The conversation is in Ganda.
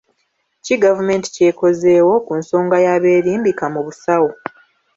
Ki gavumenti ky'ekozeewo ku nsonga y'abeerimbika mu basawo?